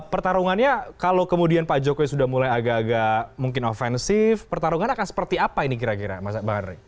pertarungannya kalau kemudian pak jokowi sudah mulai agak agak mungkin ofensif pertarungan akan seperti apa ini kira kira bang andre